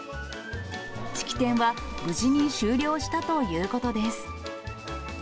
式典は無事に終了したということです。